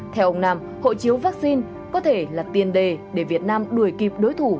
theo ông nam hộ chiếu vaccine có thể là tiền đề để việt nam đuổi kịp đối thủ